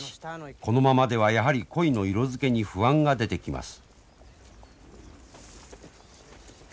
このままではやはり鯉の色づけに不安が出てきます。